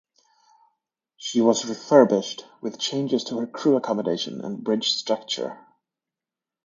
She was refurbished with changes to her crew accommodation and bridge structure.